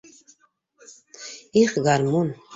Их, гармун...